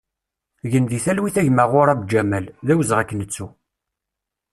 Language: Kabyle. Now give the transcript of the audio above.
Gen di talwit a gma ƔUrab Ǧamal, d awezɣi ad k-nettu!